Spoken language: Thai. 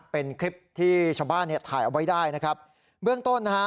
เป็นคลิปที่ชาวบ้านเนี่ยถ่ายเอาไว้ได้นะครับเบื้องต้นนะฮะ